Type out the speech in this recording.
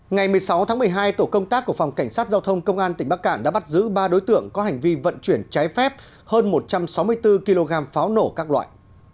ngày một mươi sáu tháng một mươi hai tổ công tác của phòng cảnh sát giao thông công an tỉnh bắc cạn đã bắt giữ ba đối tượng có hành vi vận chuyển trái phép hơn một trăm sáu mươi bốn kg pháo nổ các loại